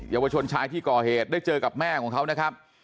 เยาวชนชายที่ก่อเหตุได้เจอกับแม่ของเขานะครับ